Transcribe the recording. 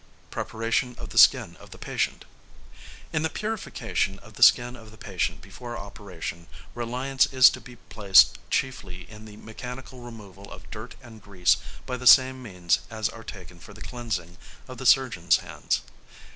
#Preparation of the Skin of the Patient.# In the purification of the skin of the patient before operation, reliance is to be placed chiefly in the mechanical removal of dirt and grease by the same means as are taken for the cleansing of the surgeon's hands.